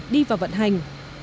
đi vào vận hành